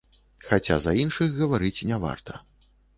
Хаця за іншых гаварыць не варта.